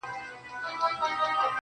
سترگي مي ړندې سي رانه وركه سې~